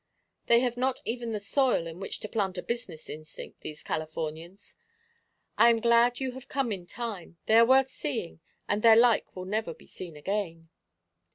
They have not even the soil in which to plant a business instinct, these Californians. I am glad you have come in time. They are worth seeing, and their like will never be seen again."